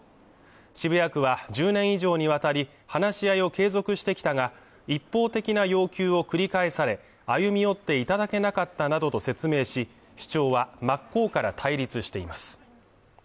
渋谷区は１０年以上にわたり話し合いを継続してきたが一方的な要求を繰り返され歩み寄って頂けなかったなどと説明し主張は真っ向から対立しています